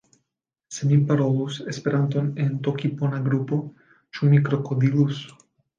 Se mi parolus Esperanton en tokipona grupo, ĉu mi krokodilus?